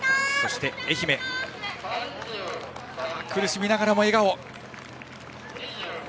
愛媛、苦しみながらも笑顔。